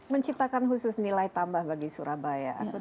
menciptakan khusus nilai tambah bagi surabaya